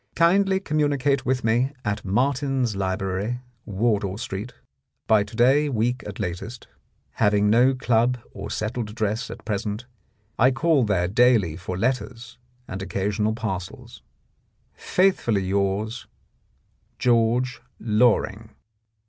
Kindly communicate with me at Martin's Library, Wardour Street, by to day week at latest. Having no club or settled address at present, I call there daily for letters and occasional parcels. — Faithfully yours, George Loring.